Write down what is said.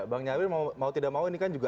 bang nyawir mau tidak mau ini kan juga